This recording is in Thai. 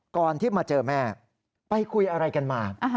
ก่อนที่มาเจอแม่ไปคุยอะไรกันมา